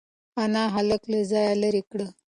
انا هلک له ځانه لرې کړ.